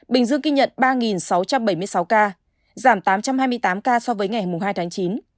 bình dương ghi nhận ba sáu trăm bảy mươi sáu ca giảm tám trăm hai mươi tám ca so với ngày hai tháng chín